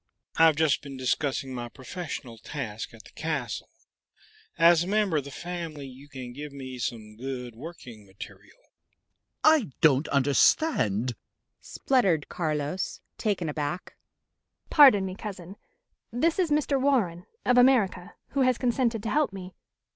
"I've just been discussing my professional task at the castle; as a member of the family you can give me some good working material." "I don't understand," spluttered Carlos, taken aback. "Pardon me, cousin. This is Mr. Warren, of America, who has consented to help me.